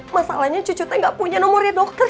masalahnya cucu saya gak punya nomornya dokter